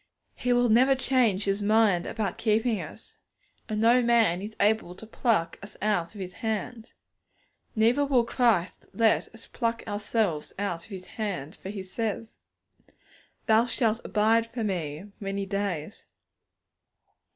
He will never change His mind about keeping us, and no man is able to pluck us out of His hand. Neither will Christ let us pluck ourselves out of His hand, for He says, 'Thou shalt abide for Me many days.'